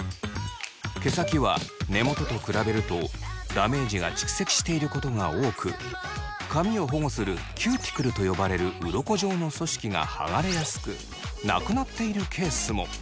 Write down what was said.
毛先は根元と比べるとダメージが蓄積していることが多く髪を保護するキューティクルと呼ばれるうろこ状の組織が剥がれやすくなくなっているケースも。